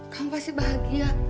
kamu pasti bahagia